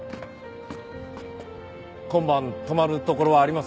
今晩泊まるところありますか？